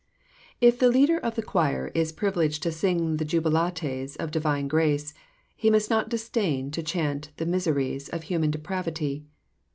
— If the leader of the choir is privileged to sing the jubilates of ditnne grace, he must not disdain to chant the misereres of human depraxntu.